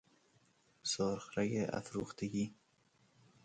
سرخرگ افروختگی